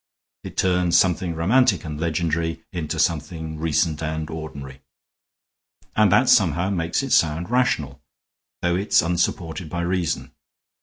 It turns something romantic and legendary into something recent and ordinary. And that somehow makes it sound rational, though it is unsupported by reason.